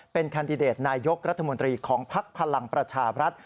เป็นแคนดิเดตนายกรัฐมนตรีของภักดิ์พลังประชาบรัฐ